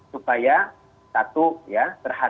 supaya satu ya